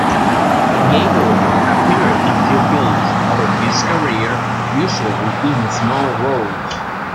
Gabel appeared in few films over his career, usually in small roles.